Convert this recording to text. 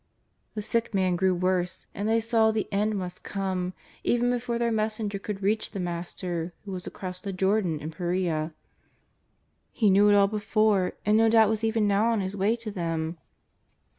The sick man grew worse and they saw the end must come even before their messenc:er could reach the Master who was across the Jordan in Perea. But what of that ! He knew it all before, and no doubt was even now on His way to them.